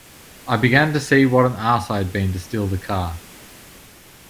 I began to see what an ass I had been to steal the car.